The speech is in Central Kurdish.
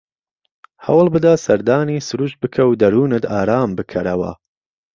هەوڵ بدە سەردانی سرووشت بکە و دەروونت ئارام بکەرەوە